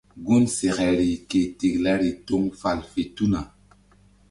Gun sekeri ke tiklari toŋ fal fe tuna.